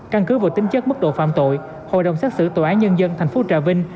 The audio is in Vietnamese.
căn cứ vô tính chất mức độ phạm tội hội đồng xét xử tòa án nhân dân thành phố trà vinh